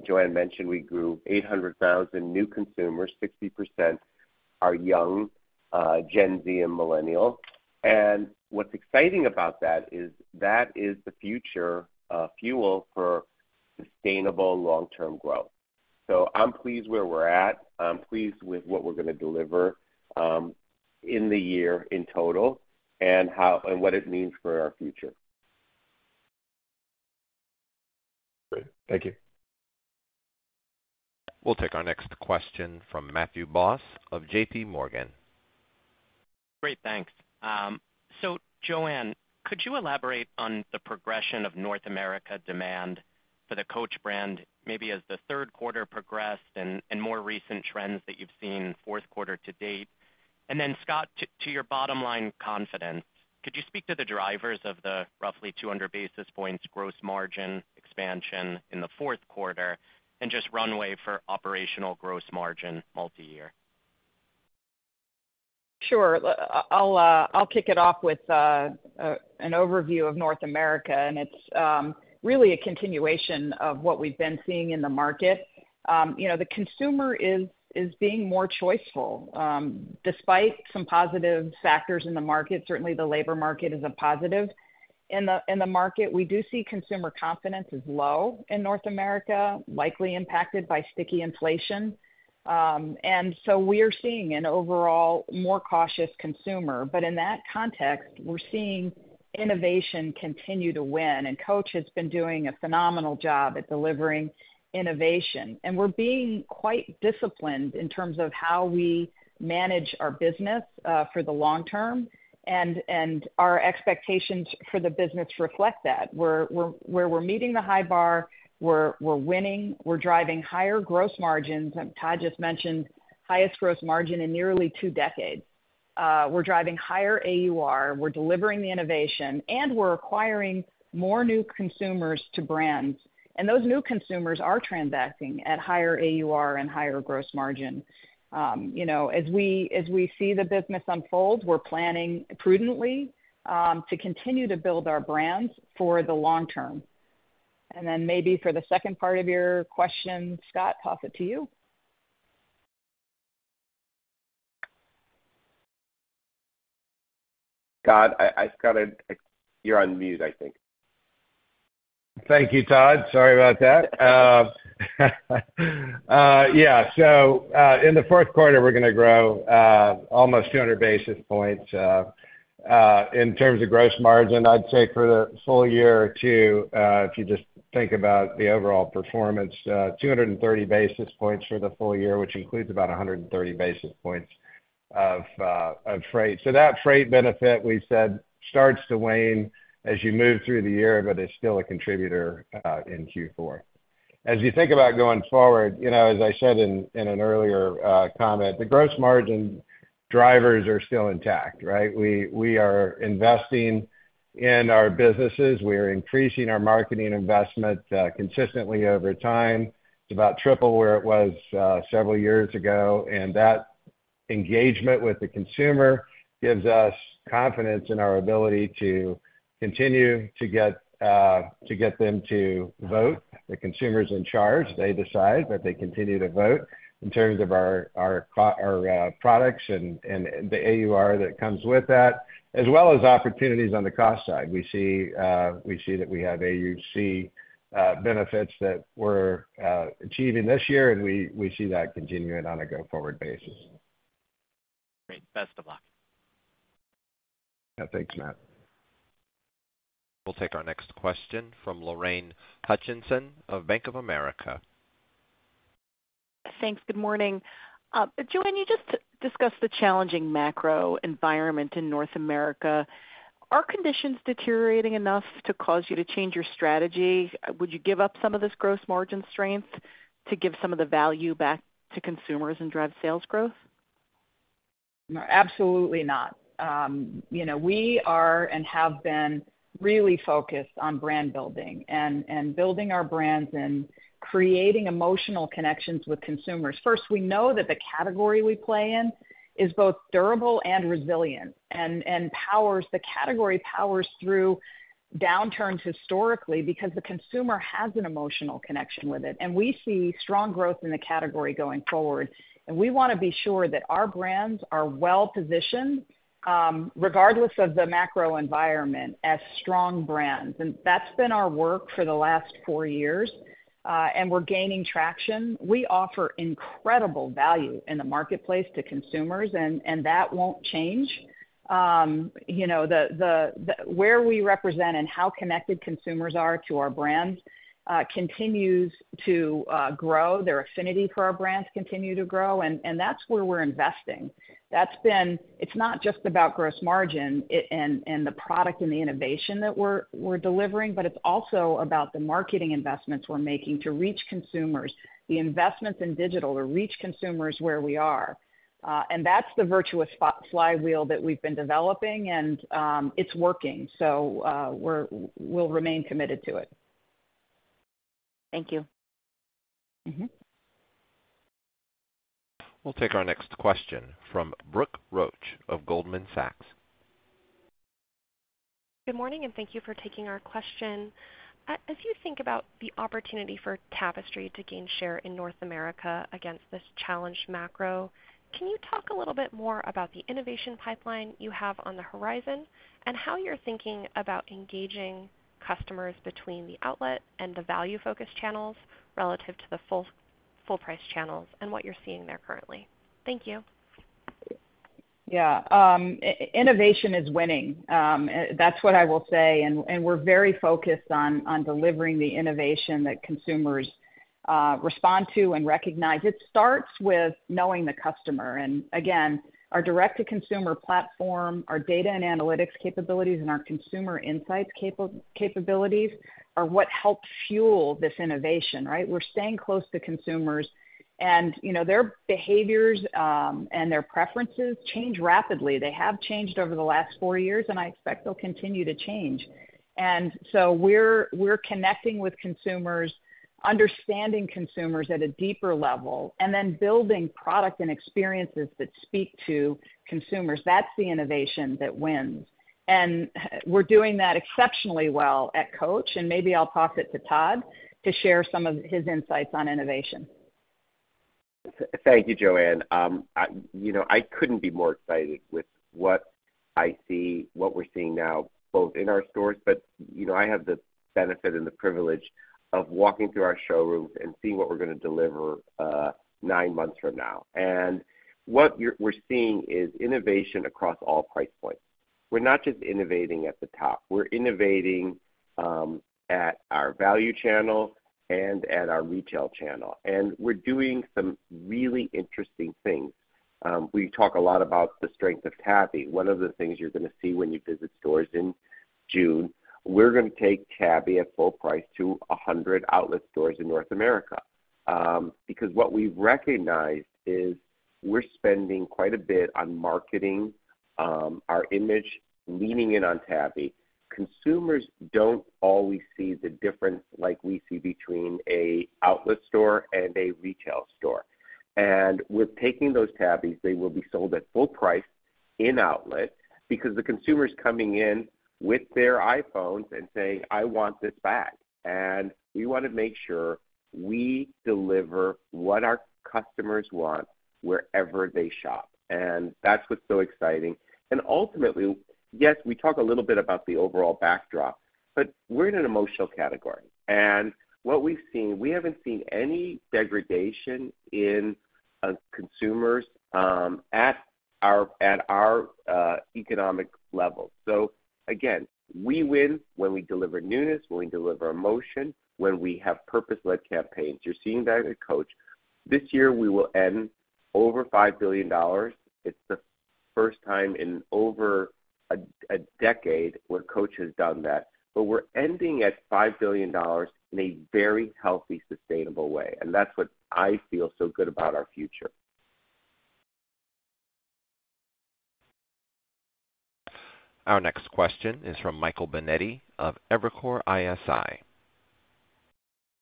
Joanne mentioned we grew 800,000 new consumers. 60% are young Gen Z and millennial. And what's exciting about that is that is the future fuel for sustainable long-term growth. So I'm pleased where we're at. I'm pleased with what we're going to deliver in the year in total and what it means for our future. Great. Thank you. We'll take our next question from Matthew Boss of JPMorgan. Great. Thanks. So Joanne, could you elaborate on the progression of North America demand for the Coach brand, maybe as the Q3 progressed and more recent trends that you've seen Q4 to date? And then, Scott, to your bottom-line confidence, could you speak to the drivers of the roughly 200 basis points gross margin expansion in the Q4 and just runway for operational gross margin multi-year? Sure. I'll kick it off with an overview of North America. And it's really a continuation of what we've been seeing in the market. The consumer is being more choiceful. Despite some positive factors in the market, certainly the labor market is a positive. In the market, we do see consumer confidence is low in North America, likely impacted by sticky inflation. And so we are seeing an overall more cautious consumer. But in that context, we're seeing innovation continue to win. And Coach has been doing a phenomenal job at delivering innovation. And we're being quite disciplined in terms of how we manage our business for the long term. And our expectations for the business reflect that. We're meeting the high bar. We're winning. We're driving higher gross margins. Todd just mentioned highest gross margin in nearly two decades. We're driving higher AUR. We're delivering the innovation, and we're acquiring more new consumers to brands. And those new consumers are transacting at higher AUR and higher gross margin. As we see the business unfold, we're planning prudently to continue to build our brands for the long term. And then maybe for the second part of your question, Scott, pass it to you. Scott, you're on mute, I think. Thank you, Todd. Sorry about that. Yeah. So in the Q4, we're going to grow almost 200 basis points. In terms of gross margin, I'd say for the full year or two, if you just think about the overall performance, 230 basis points for the full year, which includes about 130 basis points of freight. So that freight benefit, we said, starts to wane as you move through the year, but it's still a contributor in Q4. As you think about going forward, as I said in an earlier comment, the gross margin drivers are still intact, right? We are investing in our businesses. We are increasing our marketing investment consistently over time. It's about triple where it was several years ago. And that engagement with the consumer gives us confidence in our ability to continue to get them to vote. The consumer's in charge. They decide, but they continue to vote in terms of our products and the AUR that comes with that, as well as opportunities on the cost side. We see that we have AUC benefits that we're achieving this year, and we see that continuing on a go-forward basis. Great. Best of luck. Yeah. Thanks, Matt. We'll take our next question from Lorraine Hutchinson of Bank of America. Thanks. Good morning. Joanne, you just discussed the challenging macro environment in North America. Are conditions deteriorating enough to cause you to change your strategy? Would you give up some of this gross margin strength to give some of the value back to consumers and drive sales growth? Absolutely not. We are and have been really focused on brand building and building our brands and creating emotional connections with consumers. First, we know that the category we play in is both durable and resilient and powers through downturns historically because the consumer has an emotional connection with it. And we see strong growth in the category going forward. And we want to be sure that our brands are well-positioned, regardless of the macro environment, as strong brands. And that's been our work for the last four years, and we're gaining traction. We offer incredible value in the marketplace to consumers, and that won't change. Where we represent and how connected consumers are to our brands continues to grow. Their affinity for our brands continues to grow, and that's where we're investing. It's not just about gross margin and the product and the innovation that we're delivering, but it's also about the marketing investments we're making to reach consumers, the investments in digital to reach consumers where we are. And that's the virtuous flywheel that we've been developing, and it's working. So we'll remain committed to it. Thank you. We'll take our next question from Brooke Roach of Goldman Sachs. Good morning, and thank you for taking our question. As you think about the opportunity for Tapestry to gain share in North America against this challenged macro, can you talk a little bit more about the innovation pipeline you have on the horizon and how you're thinking about engaging customers between the outlet and the value-focused channels relative to the full-price channels and what you're seeing there currently? Thank you. Yeah. Innovation is winning. That's what I will say. We're very focused on delivering the innovation that consumers respond to and recognize. It starts with knowing the customer. Again, our direct-to-consumer platform, our data and analytics capabilities, and our consumer insights capabilities are what help fuel this innovation, right? We're staying close to consumers, and their behaviors and their preferences change rapidly. They have changed over the last four years, and I expect they'll continue to change. So we're connecting with consumers, understanding consumers at a deeper level, and then building product and experiences that speak to consumers. That's the innovation that wins. And we're doing that exceptionally well at Coach. And maybe I'll pass it to Todd to share some of his insights on innovation. Thank you, Joanne. I couldn't be more excited with what we're seeing now both in our stores. I have the benefit and the privilege of walking through our showrooms and seeing what we're going to deliver nine months from now. What we're seeing is innovation across all price points. We're not just innovating at the top. We're innovating at our value channel and at our retail channel. We're doing some really interesting things. We talk a lot about the strength of Tabby. One of the things you're going to see when you visit stores in June, we're going to take Tabby at full price to 100 outlet stores in North America because what we've recognized is we're spending quite a bit on marketing our image, leaning in on Tabby, consumers don't always see the difference like we see between an outlet store and a retail store. With taking those Tabbies, they will be sold at full price in outlet because the consumer's coming in with their iPhones and saying, "I want this back." We want to make sure we deliver what our customers want wherever they shop. That's what's so exciting. Ultimately, yes, we talk a little bit about the overall backdrop, but we're in an emotional category. What we've seen, we haven't seen any degradation in consumers at our economic level. So again, we win when we deliver newness, when we deliver emotion, when we have purpose-led campaigns. You're seeing that at Coach. This year, we will end over $5 billion. It's the first time in over a decade where Coach has done that. But we're ending at $5 billion in a very healthy, sustainable way. That's what I feel so good about our future. Our next question is from Michael Binetti of Evercore ISI.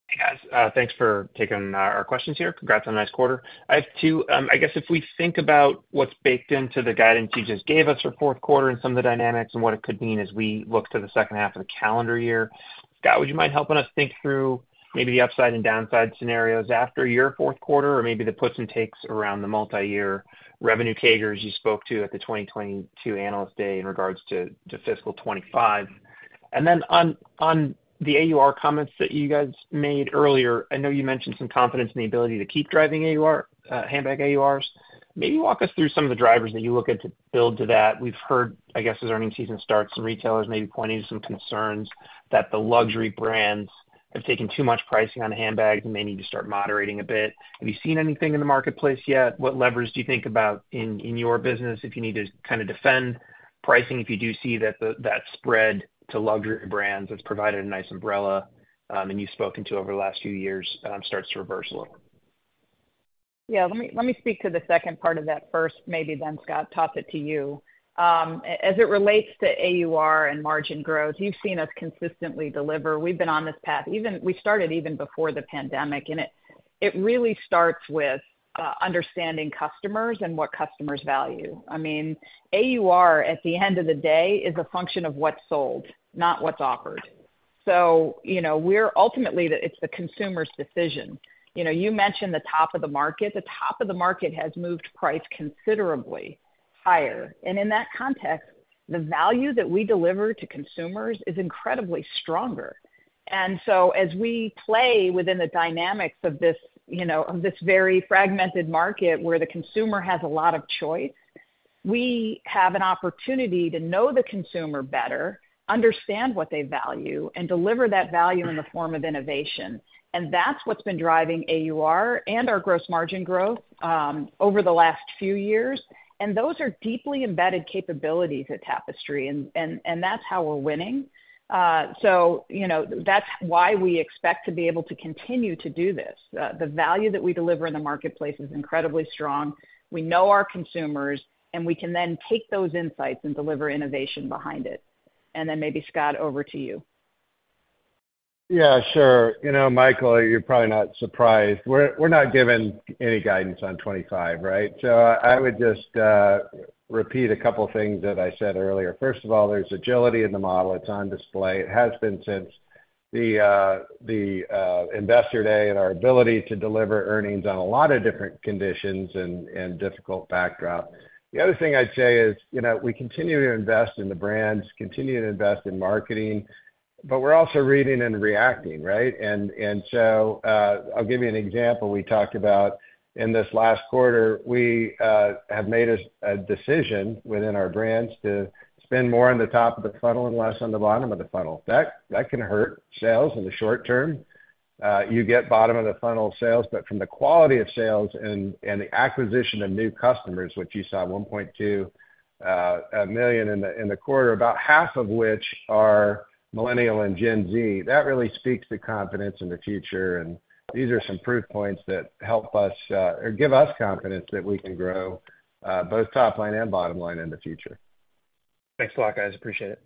Hey, guys. Thanks for taking our questions here. Congrats on nice quarter. I guess if we think about what's baked into the guidance you just gave us for Q4 and some of the dynamics and what it could mean as we look to the second half of the calendar year, Scott, would you mind helping us think through maybe the upside and downside scenarios after your Q4 or maybe the puts and takes around the multi-year revenue CAGRs you spoke to at the 2022 analyst day in regards to fiscal 2025? And then on the AUR comments that you guys made earlier, I know you mentioned some confidence in the ability to keep driving handbag AURs. Maybe walk us through some of the drivers that you look at to build to that. I guess as earnings season starts, some retailers may be pointing to some concerns that the luxury brands have taken too much pricing on handbags and may need to start moderating a bit. Have you seen anything in the marketplace yet? What levers do you think about in your business if you need to kind of defend pricing if you do see that spread to luxury brands that's provided a nice umbrella and you've spoken to over the last few years starts to reverse a little? Yeah. Let me speak to the second part of that first, maybe then, Scott. Pass it to you. As it relates to AUR and margin growth, you've seen us consistently deliver. We've been on this path. We started even before the pandemic. It really starts with understanding customers and what customers value. I mean, AUR, at the end of the day, is a function of what's sold, not what's offered. So ultimately, it's the consumer's decision. You mentioned the top of the market. The top of the market has moved price considerably higher. And in that context, the value that we deliver to consumers is incredibly stronger. And so as we play within the dynamics of this very fragmented market where the consumer has a lot of choice, we have an opportunity to know the consumer better, understand what they value, and deliver that value in the form of innovation. And that's what's been driving AUR and our gross margin growth over the last few years. And those are deeply embedded capabilities at Tapestry, and that's how we're winning. So that's why we expect to be able to continue to do this. The value that we deliver in the marketplace is incredibly strong. We know our consumers, and we can then take those insights and deliver innovation behind it. And then maybe, Scott, over to you. Yeah. Sure. Michael, you're probably not surprised. We're not given any guidance on 2025, right? So I would just repeat a couple of things that I said earlier. First of all, there's agility in the model. It's on display. It has been since the investor day and our ability to deliver earnings on a lot of different conditions and difficult backdrop. The other thing I'd say is we continue to invest in the brands, continue to invest in marketing, but we're also reading and reacting, right? And so I'll give you an example. We talked about in this last quarter, we have made a decision within our brands to spend more on the top of the funnel and less on the bottom of the funnel. That can hurt sales in the short term. You get bottom-of-the-funnel sales, but from the quality of sales and the acquisition of new customers, which you saw 1.2 million in the quarter, about half of which are millennial and Gen Z, that really speaks to confidence in the future. And these are some proof points that help us or give us confidence that we can grow both top line and bottom line in the future. Thanks a lot, guys. Appreciate it.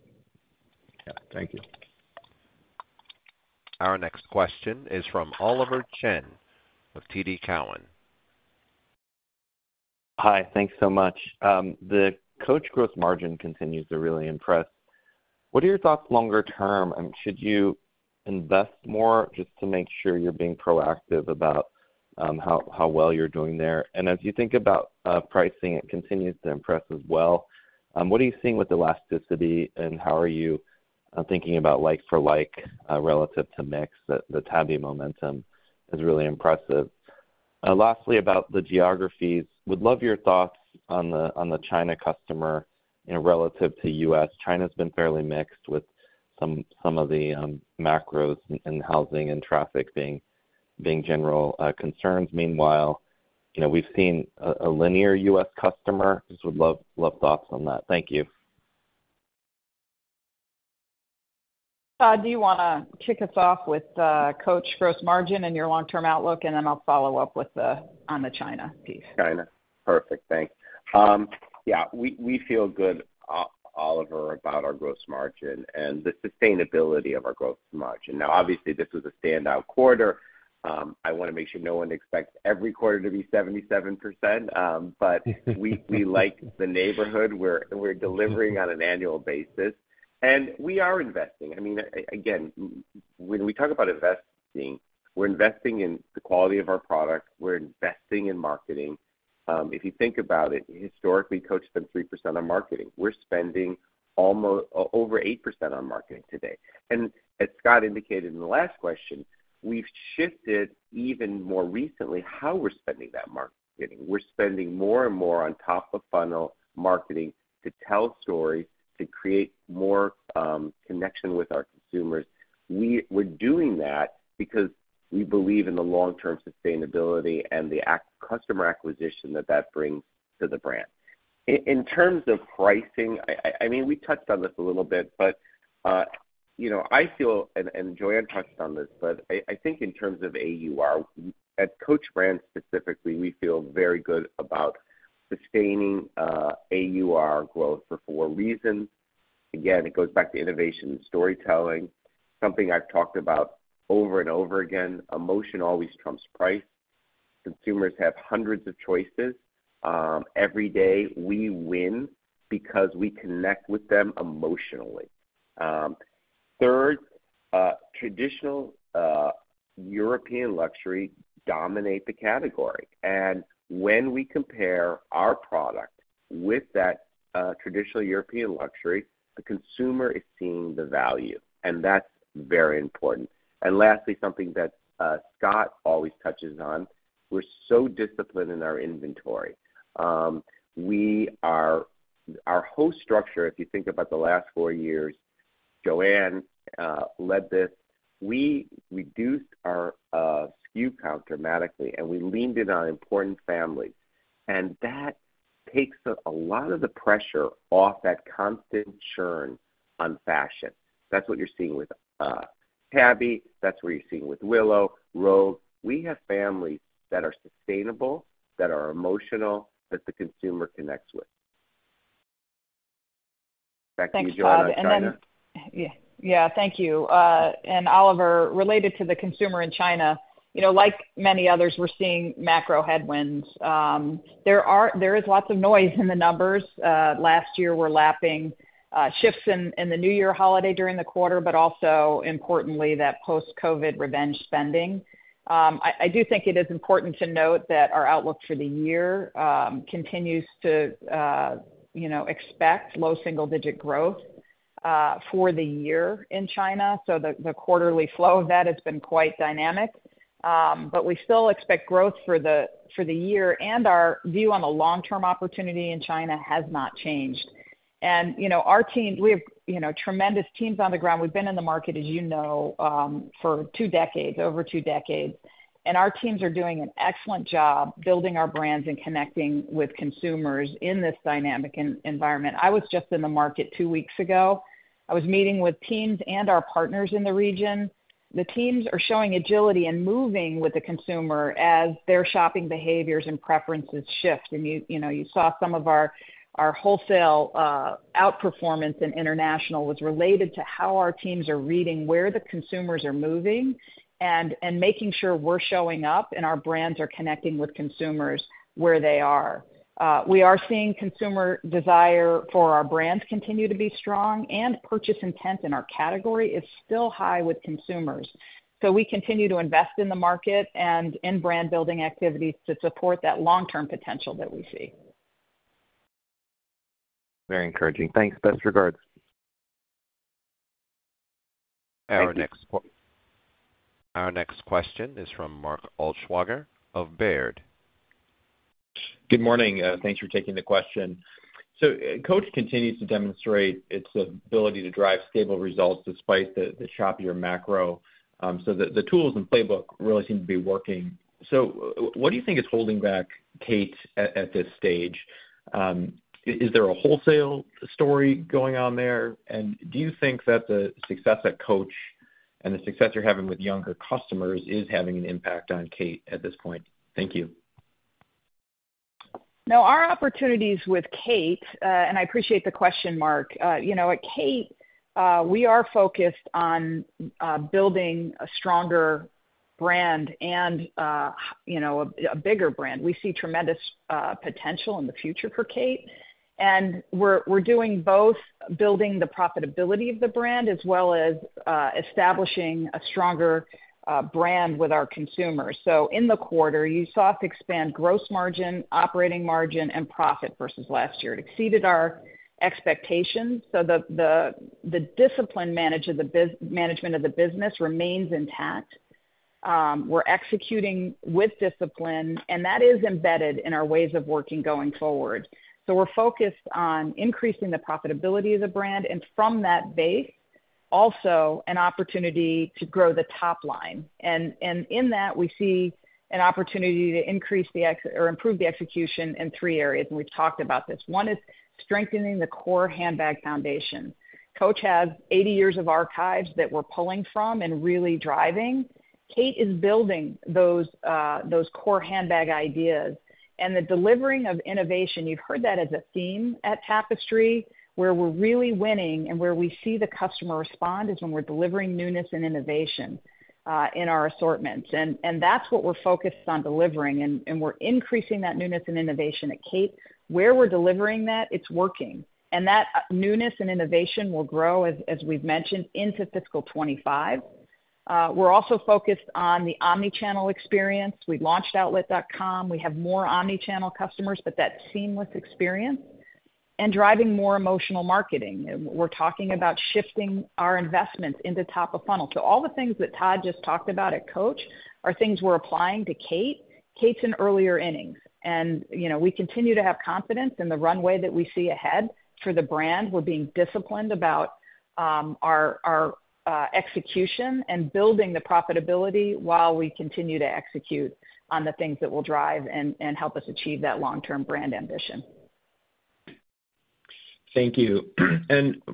Yeah. Thank you. Our next question is from Oliver Chen of TD Cowen. Hi. Thanks so much. The Coach gross margin continues to really impress. What are your thoughts longer term? Should you invest more just to make sure you're being proactive about how well you're doing there? And as you think about pricing, it continues to impress as well. What are you seeing with elasticity, and how are you thinking about like-for-like relative to mix? The Tabby momentum is really impressive. Lastly, about the geographies, would love your thoughts on the China customer relative to U.S. China's been fairly mixed with some of the macros and housing and traffic being general concerns. Meanwhile, we've seen a linear U.S. customer. Just would love thoughts on that. Thank you. Todd, do you want to kick us off with Coach gross margin and your long-term outlook? And then I'll follow up on the China piece. China. Perfect. Thanks. Yeah. We feel good, Oliver, about our gross margin and the sustainability of our gross margin. Now, obviously, this was a standout quarter. I want to make sure no one expects every quarter to be 77%, but we like the neighborhood. We're delivering on an annual basis, and we are investing. I mean, again, when we talk about investing, we're investing in the quality of our product. We're investing in marketing. If you think about it, historically, Coach has been 3% on marketing. We're spending over 8% on marketing today. And as Scott indicated in the last question, we've shifted even more recently how we're spending that marketing. We're spending more and more on top-of-funnel marketing to tell stories, to create more connection with our consumers. We're doing that because we believe in the long-term sustainability and the customer acquisition that that brings to the brand. In terms of pricing, I mean, we touched on this a little bit, but I feel and Joanne touched on this, but I think in terms of AUR, at Coach brands specifically, we feel very good about sustaining AUR growth for four reasons. Again, it goes back to innovation and storytelling, something I've talked about over and over again. Emotion always trumps price. Consumers have hundreds of choices every day. We win because we connect with them emotionally. Third, traditional European luxury dominate the category. And when we compare our product with that traditional European luxury, the consumer is seeing the value, and that's very important. And lastly, something that Scott always touches on, we're so disciplined in our inventory. Our whole structure, if you think about the last four years, Joanne led this. We reduced our SKU count dramatically, and we leaned in on important families. And that takes a lot of the pressure off that constant churn on fashion. That's what you're seeing with Tabby. That's what you're seeing with Willow, Rogue. We have families that are sustainable, that are emotional, that the consumer connects with. Back to you, Joanne. Thanks, Scott. And then yeah. Yeah. Thank you. And Oliver, related to the consumer in China, like many others, we're seeing macro headwinds. There is lots of noise in the numbers. Last year, we're lapping shifts in the New Year holiday during the quarter, but also, importantly, that post-COVID revenge spending. I do think it is important to note that our outlook for the year continues to expect low single-digit growth for the year in China. So the quarterly flow of that has been quite dynamic. But we still expect growth for the year, and our view on the long-term opportunity in China has not changed. And our team, we have tremendous teams on the ground. We've been in the market, as you know, for over two decades. And our teams are doing an excellent job building our brands and connecting with consumers in this dynamic environment. I was just in the market two weeks ago. I was meeting with teams and our partners in the region. The teams are showing agility and moving with the consumer as their shopping behaviors and preferences shift. And you saw some of our wholesale outperformance in international was related to how our teams are reading where the consumers are moving and making sure we're showing up and our brands are connecting with consumers where they are. We are seeing consumer desire for our brands continue to be strong, and purchase intent in our category is still high with consumers. So we continue to invest in the market and in brand-building activities to support that long-term potential that we see. Very encouraging. Thanks. Best regards. Thank you. Our next question is from Mark Altschwager of Baird. Good morning. Thanks for taking the question. So Coach continues to demonstrate its ability to drive stable results despite the choppier macro. So the tools and playbook really seem to be working. So what do you think is holding back Kate at this stage? Is there a wholesale story going on there? And do you think that the success at Coach and the success you're having with younger customers is having an impact on Kate at this point? Thank you. No. Our opportunities with Kate and I appreciate the question, Mark. At Kate, we are focused on building a stronger brand and a bigger brand. We see tremendous potential in the future for Kate. We're doing both building the profitability of the brand as well as establishing a stronger brand with our consumers. In the quarter, you saw us expand gross margin, operating margin, and profit versus last year. It exceeded our expectations. The discipline management of the business remains intact. We're executing with discipline, and that is embedded in our ways of working going forward. We're focused on increasing the profitability of the brand. From that base, also an opportunity to grow the top line. In that, we see an opportunity to increase or improve the execution in three areas. We've talked about this. One is strengthening the core handbag foundation. Coach has 80 years of archives that we're pulling from and really driving. Kate is building those core handbag ideas. The delivering of innovation you've heard that as a theme at Tapestry. Where we're really winning and where we see the customer respond is when we're delivering newness and innovation in our assortments. That's what we're focused on delivering. We're increasing that newness and innovation at Kate. Where we're delivering that, it's working. That newness and innovation will grow, as we've mentioned, into fiscal 2025. We're also focused on the omnichannel experience. We launched outlet.com. We have more omnichannel customers, but that seamless experience and driving more emotional marketing. We're talking about shifting our investments into top-of-funnel. All the things that Todd just talked about at Coach are things we're applying to Kate. Kate's in earlier innings. We continue to have confidence in the runway that we see ahead for the brand. We're being disciplined about our execution and building the profitability while we continue to execute on the things that will drive and help us achieve that long-term brand ambition. Thank you.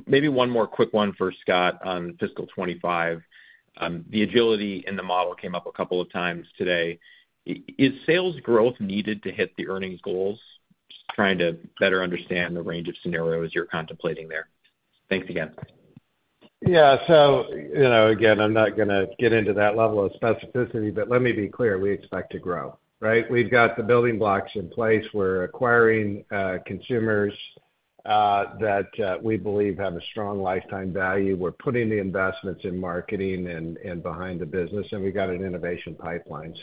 Maybe one more quick one for Scott on fiscal 2025. The agility in the model came up a couple of times today. Is sales growth needed to hit the earnings goals? Just trying to better understand the range of scenarios you're contemplating there. Thanks again. Yeah. Again, I'm not going to get into that level of specificity, but let me be clear. We expect to grow, right? We've got the building blocks in place. We're acquiring consumers that we believe have a strong lifetime value. We're putting the investments in marketing and behind the business, and we've got an innovation pipeline.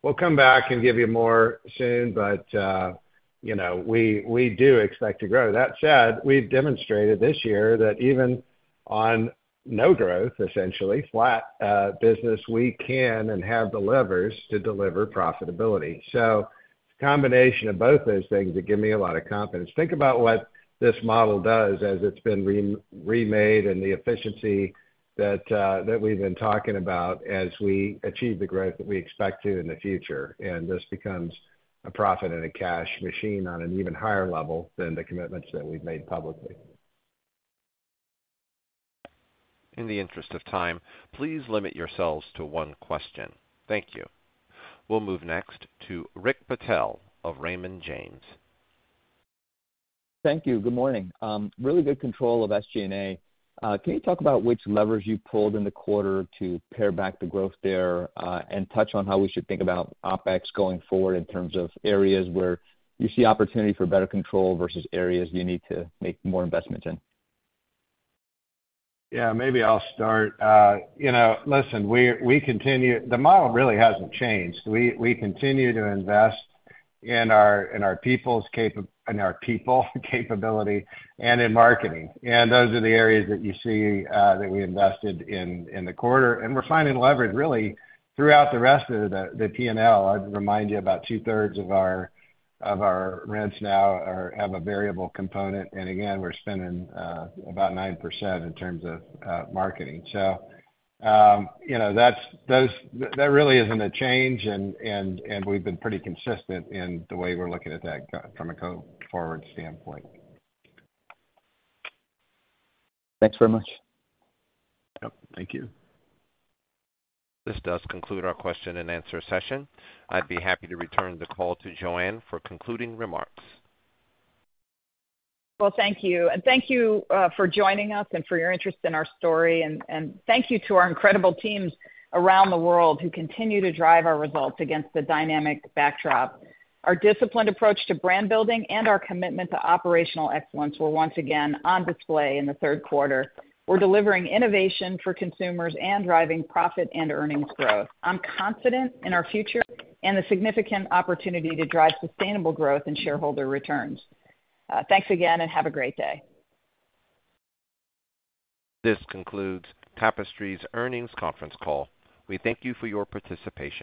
We'll come back and give you more soon, but we do expect to grow. That said, we've demonstrated this year that even on no growth, essentially, flat business, we can and have the levers to deliver profitability. It's a combination of both those things that give me a lot of confidence. Think about what this model does as it's been remade and the efficiency that we've been talking about as we achieve the growth that we expect to in the future. This becomes a profit and a cash machine on an even higher level than the commitments that we've made publicly. I n the interest of time, please limit yourselves to one question. Thank you. We'll move next to Rick Patel of Raymond James. Thank you. Good morning. Really good control of SG&A. Can you talk about which levers you pulled in the quarter to pare back the growth there and touch on how we should think about OpEx going forward in terms of areas where you see opportunity for better control versus areas you need to make more investments in? Yeah. Maybe I'll start. Listen, the model really hasn't changed. We continue to invest in our people's capability and in marketing. And those are the areas that you see that we invested in the quarter. And we're finding leverage, really, throughout the rest of the P&L. I'd remind you about two-thirds of our rents now have a variable component. And again, we're spending about 9% in terms of marketing. So that really isn't a change, and we've been pretty consistent in the way we're looking at that from a go forward standpoint. Thanks very much. Yep. Thank you. This does conclude our question and answer session. I'd be happy to return the call to Joanne for concluding remarks. Well, thank you. Thank you for joining us and for your interest in our story. Thank you to our incredible teams around the world who continue to drive our results against the dynamic backdrop. Our disciplined approach to brand-building and our commitment to operational excellence were once again on display in the Q3. We're delivering innovation for consumers and driving profit and earnings growth. I'm confident in our future and the significant opportunity to drive sustainable growth and shareholder returns. Thanks again, and have a great day. This concludes Tapestry's earnings conference call. We thank you for your participation.